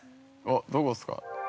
◆どこっすか。